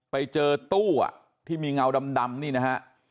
ไปเจอตู้ที่มีเงาดำนี่นะฮะ